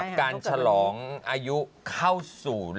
การฉลองอายุเข้าสู่